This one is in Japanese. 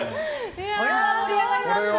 これは盛り上がりますね